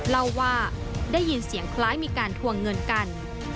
เล่าว่าได้ยินเสียงคล้ายมีการทวงเงินกัน